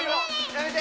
やめて！